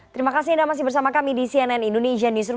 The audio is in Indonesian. terima kasih anda masih bersama kami di cnn indonesia newsroom